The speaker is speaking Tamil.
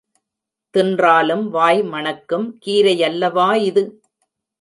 தின்றாலும் வாய் மணக்கும் கீரையல்லவா இது!